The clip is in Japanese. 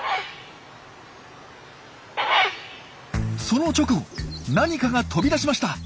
その直後何かが飛び出しました！